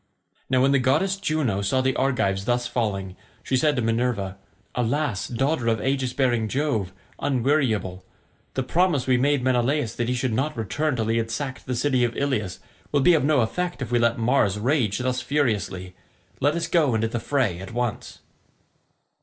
Now when the goddess Juno saw the Argives thus falling, she said to Minerva, "Alas, daughter of aegis bearing Jove, unweariable, the promise we made Menelaus that he should not return till he had sacked the city of Ilius will be of no effect if we let Mars rage thus furiously. Let us go into the fray at once."